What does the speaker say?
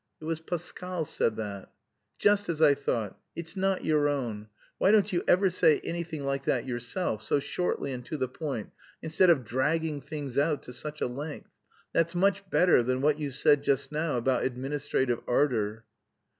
"It was Pascal said that." "Just as I thought...it's not your own. Why don't you ever say anything like that yourself, so shortly and to the point, instead of dragging things out to such a length? That's much better than what you said just now about administrative ardour..."